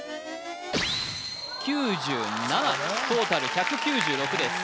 トータル１９６です